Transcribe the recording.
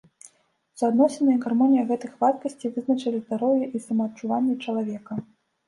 Суадносіны і гармонія гэтых вадкасцей вызначалі здароўе і самаадчуванне чалавека.